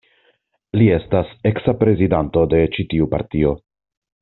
Li estas eksa prezidanto de ĉi tiu partio.